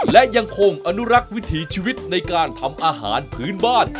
และยังคงอนุรักษ์วิถีชีวิตในการทำอาหารพื้นบ้าน